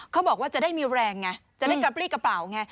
เขาบอกว่าจะได้มีแรงไงจะได้กระปรี้กระเป๋าไง